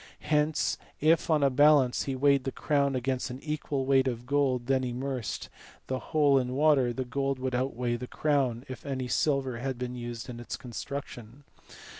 Hence, if on a balance hfc weighed the crown against an equal weight of gold and then immersed the whole in water, the gold would outweigh the crown if any silver had been used in its construction.